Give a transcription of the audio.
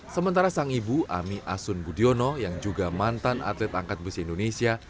sementara sang ibu ami asun budiono yang juga mantan atlet angkat besi indonesia